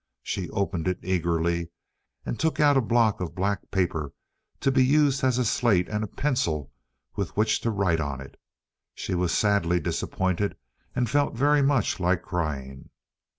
She opened it eagerly, and took out a block of black paper, to be used as a slate, and a pencil with which to write on it. She was sadly disappointed, and felt very much like crying.